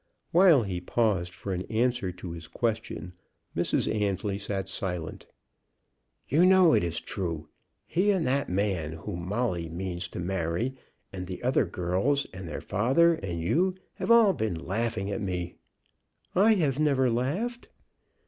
While he paused for an answer to his question Mrs. Annesley sat silent. "You know it is true. He and that man whom Molly means to marry, and the other girls, and their father and you, have all been laughing at me." "I have never laughed."